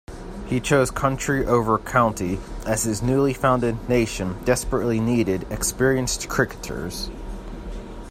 He chose country over county, as his newly founded nation desperately needed experienced cricketers.